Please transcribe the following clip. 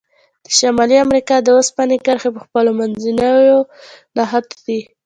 د شمالي امریکا د اوسپنې کرښې په خپلو منځونو نښتي دي.